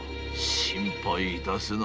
心配いたすな。